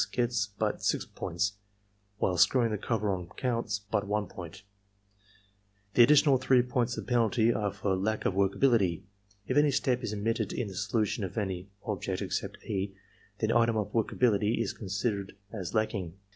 gets but 6 points, while screwing the cover on coimts but 1 point. The additional 3 points of penalty are for lack of "workability." If any step is omitted in the solution of any object except E, then item of "workability" is consid ered as lacking.